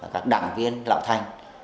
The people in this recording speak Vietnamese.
các đảng viên lào thanh